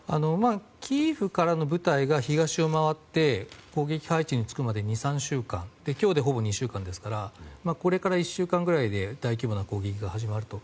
キーウからの部隊が東を回って攻撃配置につくまで２３週間今日でほぼ２週間ですからこれから１週間くらいで大規模な攻撃が始まると。